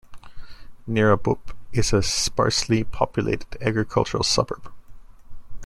Neerabup is a sparsely populated agricultural suburb.